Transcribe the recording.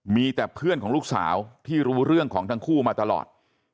มีแต่เพื่อนของลูกสาวที่รู้เรื่องของทั้งคู่มาตลอด